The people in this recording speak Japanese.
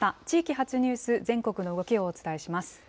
地域発ニュース、全国の動きをお伝えします。